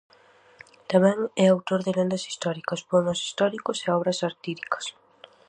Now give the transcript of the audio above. Tamén é autor de lendas históricas, poemas históricos e obras satíricas.